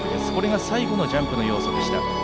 それが最後のジャンプの要素。